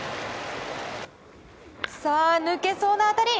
さあ、抜けそうな当たり。